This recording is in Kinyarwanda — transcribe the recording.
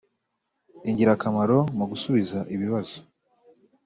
Ingirakamaro mu gusubiza ibibazo